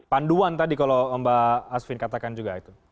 panduan tadi kalau mbak asvin katakan juga itu